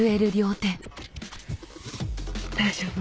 大丈夫？